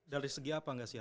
dari segi apa gak siap